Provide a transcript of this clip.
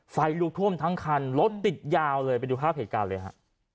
ไฟลุกท่วมทั้งคันรถติดยาวเลยไปดูภาพเหตุการณ์เลยฮะ